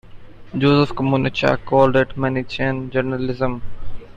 Joseph Komonchak called it Manichaean journalism.